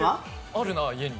あるな家に。